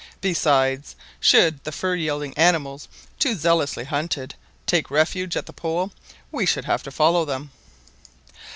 Besides, should the fur yielding animals, too zealously hunted, take refuge at the Pole, we should have to follow them."